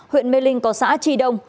huyện mê linh có xã trì đông